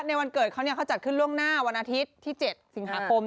วันเกิดเขาเขาจัดขึ้นล่วงหน้าวันอาทิตย์ที่๗สิงหาคม